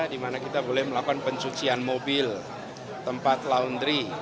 di mana kita boleh melakukan pencucian mobil tempat laundry